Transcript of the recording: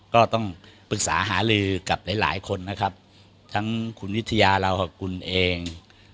ก็ต้องปรึกษาหาลือกับหลายหลายคนนะครับทั้งคุณวิทยาเรากับคุณเอง